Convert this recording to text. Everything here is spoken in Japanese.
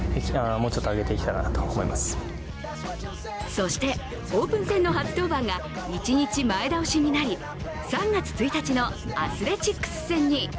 そして、オープン戦の初登板が一日前倒しになり３月１日のアスレチックス戦に。